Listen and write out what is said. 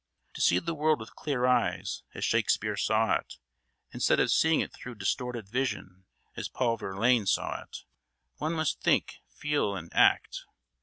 To see the world with clear eyes, as Shakespeare saw it, instead of seeing it through distorted vision, as Paul Verlaine saw it, one must think, feel, and act.